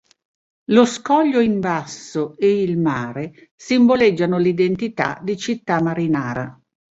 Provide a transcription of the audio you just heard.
Lo scoglio in basso e il mare simboleggiano l'identità di città marinara.